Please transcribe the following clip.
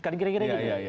kan kira kira gitu